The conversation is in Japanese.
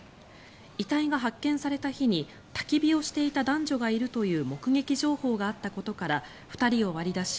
遺体が発見された日にたき火をしていた男女がいるという目撃情報があったことから２人を割り出し